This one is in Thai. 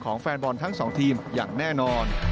แฟนบอลทั้งสองทีมอย่างแน่นอน